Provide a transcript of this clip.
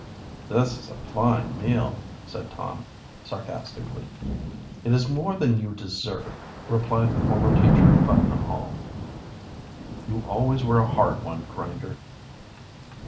"This is a fine meal," said Tom sarcastically. "It is more than you deserve," replied the former teacher of Putnam Hall. "You always were a hard one, Grinder."